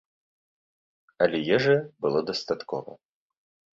Але ежы было дастаткова.